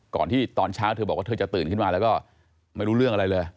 ที่ตอนเช้าเธอบอกว่าเธอจะตื่นขึ้นมาแล้วก็ไม่รู้เรื่องอะไรเลย